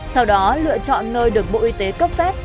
sau đó lựa chọn nơi được bộ y tế cấp phép